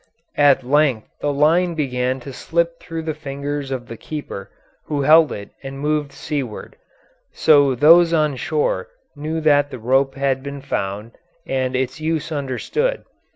At length the line began to slip through the fingers of the keeper who held it and moved seaward, so those on shore knew that the rope had been found and its use understood.